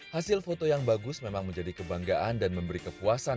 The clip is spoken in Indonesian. hasil foto yang bagus memang menjadi kebanggaan dan memberi kepuasan